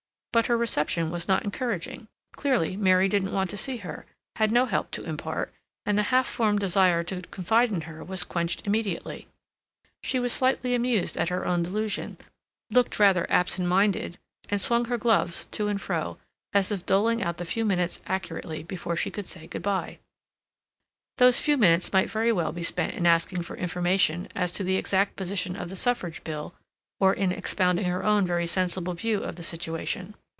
But her reception was not encouraging; clearly Mary didn't want to see her, had no help to impart, and the half formed desire to confide in her was quenched immediately. She was slightly amused at her own delusion, looked rather absent minded, and swung her gloves to and fro, as if doling out the few minutes accurately before she could say good by. Those few minutes might very well be spent in asking for information as to the exact position of the Suffrage Bill, or in expounding her own very sensible view of the situation.